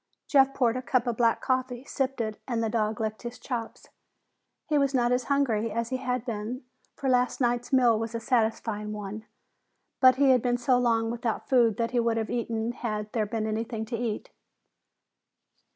Jeff poured a cup of black coffee, sipped it, and the dog licked his chops. He was not as hungry as he had been, for last night's meal was a satisfying one. But he had been so long without food that he would have eaten had there been anything to eat.